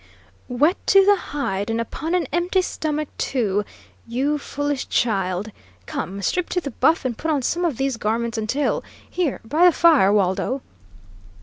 "Wet to the hide, and upon an empty stomach, too! You foolish child! Come, strip to the buff, and put on some of these garments until here by the fire, Waldo."